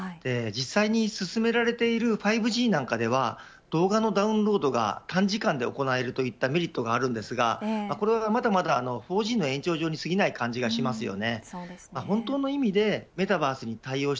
実際に進められている５Ｇなんかでは動画のダウンロードが短時間で行われるといったメリットがあるんですがこれはまだまだ４Ｇの延長上にすぎない感じがします。